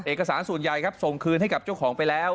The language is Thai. เอกสารส่วนใหญ่ครับส่งคืนให้กับเจ้าของไปแล้ว